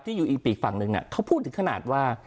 ที่อยู่อีกฝั่งนึงนะเขาพูดถึงขนาดว่า